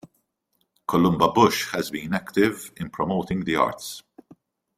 Columba Bush has been active in promoting the arts.